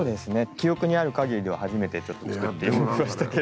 記憶にあるかぎりでは初めてちょっと作ってみましたけれども。